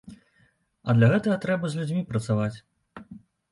А для гэтага трэба з людзьмі працаваць.